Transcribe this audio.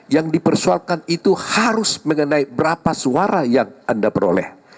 yang dipersoalkan itu harus mengenai berapa suara yang anda peroleh